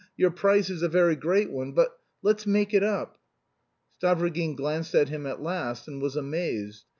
Your price is a very great one, but... Let's make it up!" Stavrogin glanced at him at last, and was amazed.